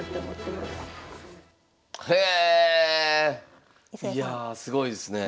いやあすごいですね。